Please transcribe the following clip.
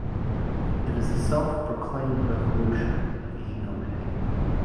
It is a self-proclaimed revolution of E Nomine.